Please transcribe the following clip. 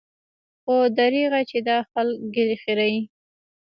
خو درېغه چې دا خلق ږيرې خريي.